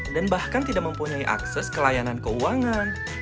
dan bahkan tidak mempunyai akses ke layanan keuangan